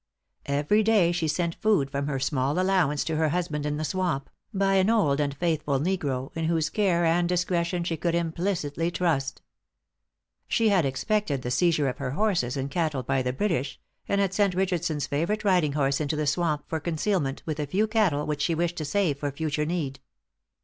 Every day she sent food from her small allowance to her husband in the swamp, by an old and faithful negro, in whose care and discretion she could implicitly trust. She had expected the seizure of her horses and cattle by the British, and had sent Richardson's favorite riding horse into the swamp for concealment, with a few cattle which she wished to save for future need.